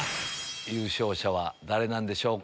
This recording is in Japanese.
優勝者は誰なんでしょうか？